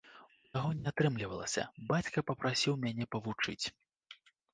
У таго не атрымлівалася, бацька папрасіў мяне павучыць.